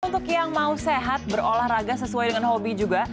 untuk yang mau sehat berolahraga sesuai dengan hobi juga